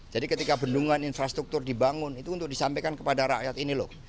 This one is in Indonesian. jadi ketika bendungan infrastruktur dibangun itu untuk disampaikan kepada rakyat ini loh